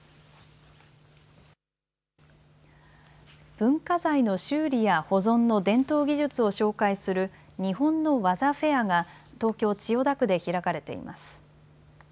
文化財の修理や保存の伝統技術を紹介する日本の技フェアが東京千代田区で開かれています。